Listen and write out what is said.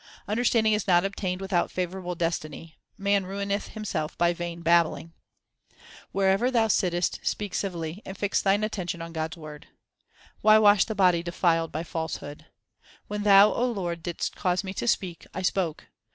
Understanding is not obtained without favourable destiny; man ruineth himself by vain babbling. Wherever thou sittest speak civilly, and fix thine attention on God s word. Why wash the body defiled by falsehood ? When Thou, Lord, didst cause me to speak, I spoke.